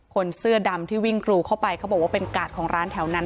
คนเสื้อดำที่วิ่งกรูเข้าไปเขาบอกว่าเป็นกาดของร้านแถวนั้น